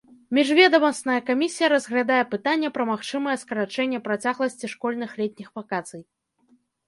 Міжведамасная камісія разглядае пытанне пра магчымае скарачэнне працягласці школьных летніх вакацый.